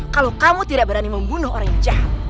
kalau kamu tidak berani membunuh orang yang jahat